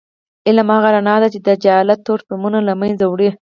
علم هغه رڼا ده چې د جهالت تورتمونه له منځه وړي.